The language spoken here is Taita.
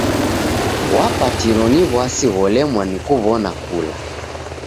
W'apatiro ni w'asi gholemwa ni kuw'ona kula.